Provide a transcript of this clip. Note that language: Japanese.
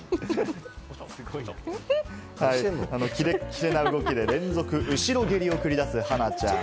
キレッキレな動きで連続後ろ蹴りを繰り出す、はなちゃん。